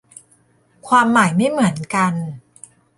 ความหมายไม่เหมือนกัน